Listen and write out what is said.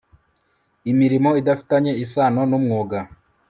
imirimo idafitanye isano n umwuga